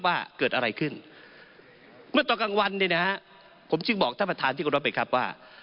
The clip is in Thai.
ว่าเกิดอะไรขึ้นเมื่อต่างกังวันผมติดบอกท่านประทานที่ขอรับไว้ครับว่า